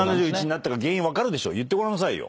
言ってごらんなさいよ。